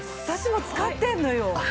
私も使ってるのよ。